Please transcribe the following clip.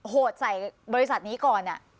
โหดใส่บริษัทนี้ก่อน